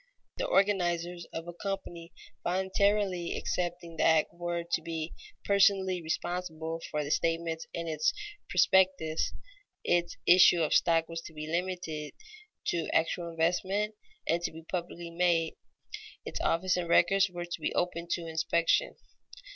The organizers of a company voluntarily accepting the act were to be personally responsible for the statements in its prospectus; its issue of stock was to be limited to actual investment and to be publicly made; its office and records were to be open to inspection.